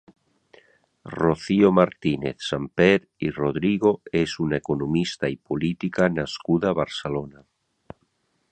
Rocío Martínez-Sampere i Rodrigo és una economista i política nascuda a Barcelona.